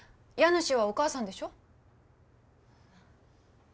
家主はお母さんでしょ？